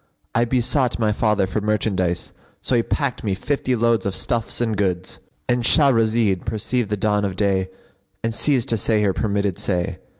I besought my father for merchandise; so he packed me fifty loads of stuffs and goods."—And Shahrazed perceived the dawn of day and ceased to say her permitted say.